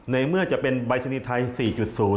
ในเมื่อจะเป็นใบสนิทไทย๔๐